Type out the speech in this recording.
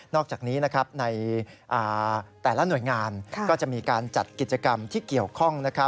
อกจากนี้ในแต่ละหน่วยงานก็จะมีการจัดกิจกรรมที่เกี่ยวข้อง